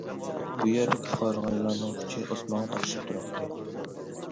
بۇ يەردىكى قارىغايلارنىڭ ئۇچى ئاسمانغا تاقىشىپ تۇراتتى.